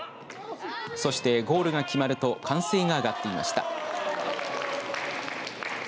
そしてゴールが決まると歓声が上がっていました。